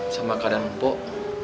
sama kak dan empok